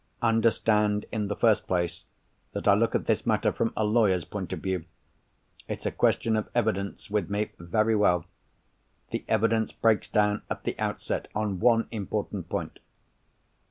Understand, in the first place, that I look at this matter from a lawyer's point of view. It's a question of evidence, with me. Very well. The evidence breaks down, at the outset, on one important point."